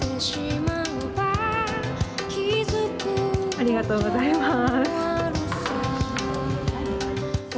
ありがとうございます。